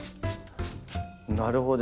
なるほど。